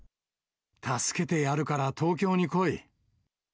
助けてやるから東京に来い。